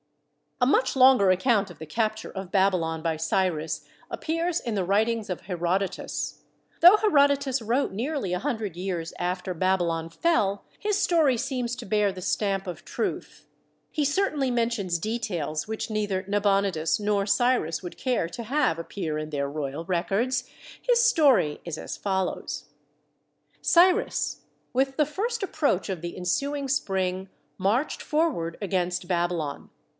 A much longer account of the capture of Baby lon by Cyrus appears in the writings of Herodotus. Though Herodotus wrote nearly a hundred years after Babylon fell, his story seems to bear the stamp of truth. He certainly mentions details which neither Nabonidus nor Cyrus would care to have appear in their royal records. His story is as follows : Cyrus, with the first approach of the ensuing spring, marched forward against Babylon.